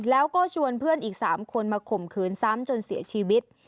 แล้วก็ชวนเพื่อนอีก๓คนมาข่มขืนซ้ำจนเสียชีวิต